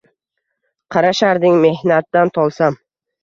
Qarasharding mehnatdan tolsam